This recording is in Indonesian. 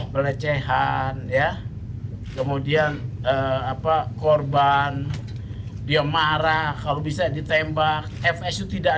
kebetulan akadesi dari mbak celaka